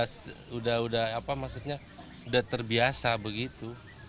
sudah terbiasa begitu